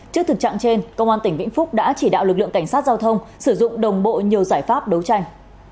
trước thực trạng trên công an tỉnh vĩnh phúc đã chỉ đạo lực lượng cảnh sát giao thông sử dụng đồng bộ nhiều giải pháp đấu tranh